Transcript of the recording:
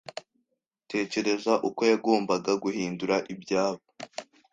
tekereza uko yagombaga guhindura ibyabo